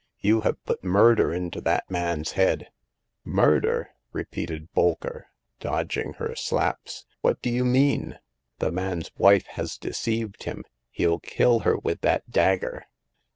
You have put murder into that man's head !"Murder !*' repeated Bolker, dodging her slaps, what do you mean ?''The man's wife has deceived him. Hell kill her with that dagger